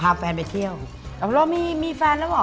อารมณ์ว่าอยากมีแฟน